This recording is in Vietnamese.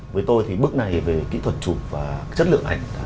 với tôi thì bước này về kỹ thuật chụp và chất lượng ảnh